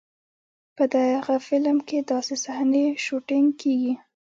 په دغه فلم کې داسې صحنې شوټېنګ کېږي.